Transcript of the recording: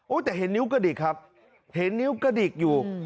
แต่เห็นนิ้วกระดิกครับเห็นนิ้วกระดิกอยู่